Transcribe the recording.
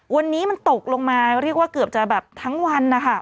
วันนี้มันตกลงมาเรียกว่าเกือบจะแบบทั้งวันนะคะ